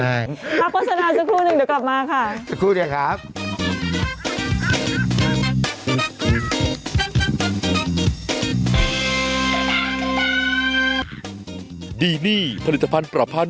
มาโฆษณาสักครู่หนึ่งเดี๋ยวกลับมาค่ะ